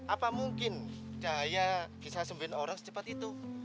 apa mungkin cahaya bisa sembilan orang secepat itu